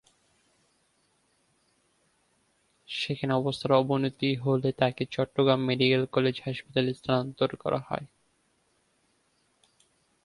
সেখানে অবস্থার অবনতি হলে তাঁকে চট্টগ্রাম মেডিকেল কলেজ হাসপাতালে স্থানান্তর করা হয়।